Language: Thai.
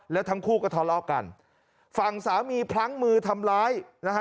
แล้วทั้งคู่ก็ทะเลาะกันฝั่งสามีพลั้งมือทำร้ายนะฮะ